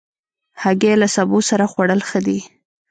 هګۍ له سبو سره خوړل ښه دي.